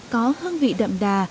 có hương vị đậm đà